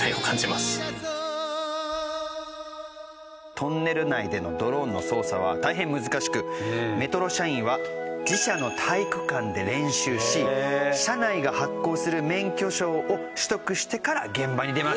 トンネル内でのドローンの操作は大変難しくメトロ社員は自社の体育館で練習し社内が発行する免許証を取得してから現場に出ます。